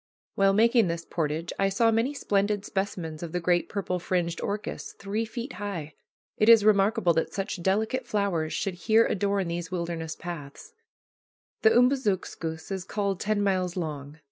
While making this portage I saw many splendid specimens of the great purple fringed orchis, three feet high. It is remarkable that such delicate flowers should here adorn these wilderness paths. The Umbazookskus is called ten miles long.